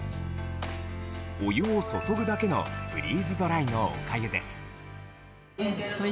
お湯を注ぐだけのフリーズドライのおかゆです。